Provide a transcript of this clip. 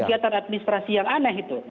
kegiatan administrasi yang aneh itu